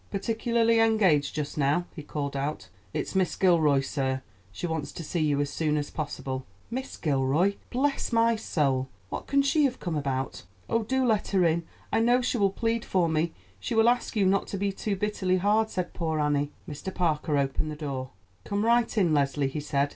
"Particularly engaged just now," he called out. "It's Miss Gilroy, sir. She wants to see you as soon as possible." "Miss Gilroy! Bless my soul! what can she have come about?" "Oh, do let her in. I know she will plead for me. She will ask you not to be too bitterly hard," said poor Annie. Mr. Parker opened the door. "Come right in, Leslie," he said.